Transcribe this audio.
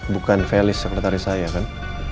bukan felis sekretaris saya kan